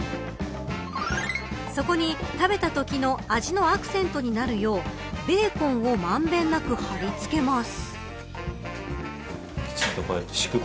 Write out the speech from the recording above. そこに、食べたときの味のアクセントになるようベーコンを満遍なく貼り付けます。